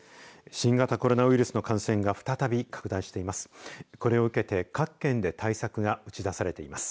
新型コロナウイルスの感染が再び拡大しています。